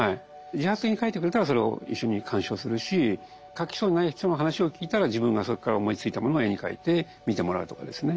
自発的に描いてくれたらそれを一緒に鑑賞するし描きそうにない人の話を聞いたら自分がそこから思いついたものを絵に描いて見てもらうとかですね